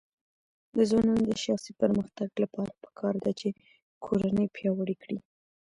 د ځوانانو د شخصي پرمختګ لپاره پکار ده چې کورنۍ پیاوړې کړي.